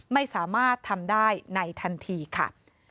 ไม่สามารถทำได้ในทันทีค่ะ